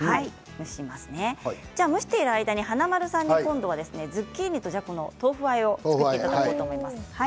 蒸しますね蒸している間に華丸さんにズッキーニとじゃこの豆腐あえを作っていただきたいと思います。